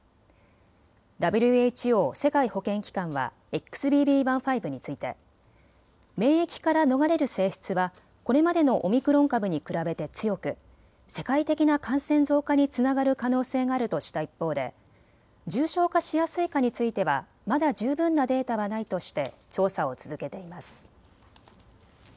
ＷＨＯ・世界保健機関はＸＢＢ．１．５について免疫から逃れる性質はこれまでのオミクロン株に比べて強く、世界的な感染増加につながる可能性があるとした一方で重症化しやすいかについてはまだ十分なデータはないとして調査を続けています。